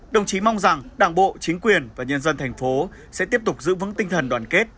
đồng chí mong rằng đảng bộ chính quyền và nhân dân thành phố sẽ tiếp tục giữ vững tinh thần đoàn kết